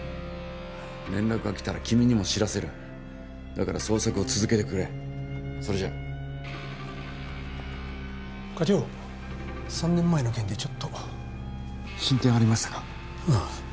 連絡が来たら君にも知らせるだから捜索を続けてくれそれじゃ課長３年前の件でちょっと進展ありましたか？